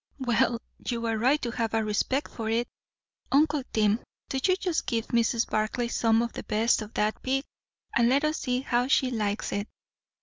"Well, you're right to have a respect for it. Uncle Tim, do you just give Mrs. Barclay some of the best of that pig, and let us see how she likes it.